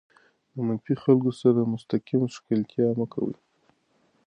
د منفي خلکو سره مستقیم ښکېلتیا مه کوئ.